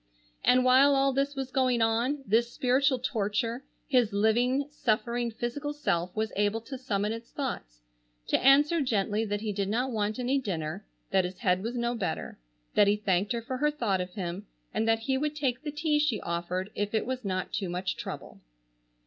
And while all this was going on, this spiritual torture, his living, suffering, physical self was able to summon its thoughts, to answer gently that he did not want any dinner; that his head was no better; that he thanked her for her thought of him; and that he would take the tea she offered if it was not too much trouble.